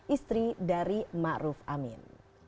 istri dari ma'ruf amin